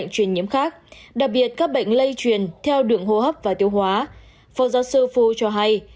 truyền nhiễm khác đặc biệt các bệnh lây truyền theo đường hô hấp và tiêu hóa phó giáo sư fu cho hay